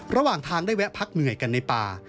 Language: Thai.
ระหว่างทางได้แวะพักเหนื่อยกันในป่า